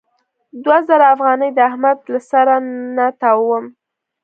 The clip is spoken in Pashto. دوه زره افغانۍ د احمد له سره نه تاووم.